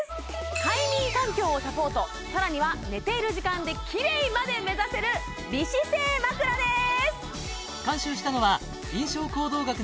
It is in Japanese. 快眠環境をサポートさらには寝ている時間でキレイまで目指せる美姿勢まくらです！